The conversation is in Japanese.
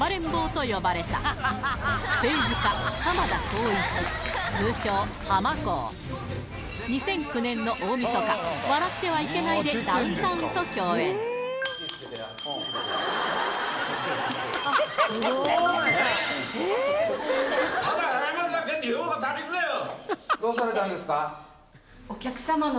と呼ばれた２００９年の大みそか『笑ってはいけない』でダウンタウンと共演ただ謝るだけで用が足りるかよ！